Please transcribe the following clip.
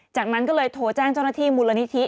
จากนั้นก็เลยโทรแจ้งเจ้าหน้าที่มูลนิธิ